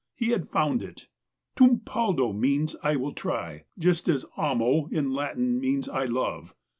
He had found it. "Tumpaldo" means " I will try," just as "amo" in Latin means "I love."